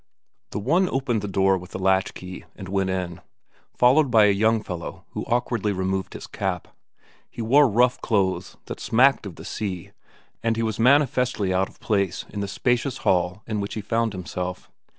The one opened the door with a latch key and went in, followed by a young fellow who awkwardly removed his cap. He wore rough clothes that smacked of the sea, and he was manifestly out of place in the spacious hall in which he found himself.